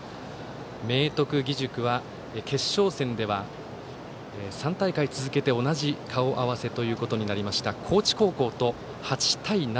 明徳義塾は決勝戦では３大会続けて同じ顔合わせとなりました高知高校と８対７。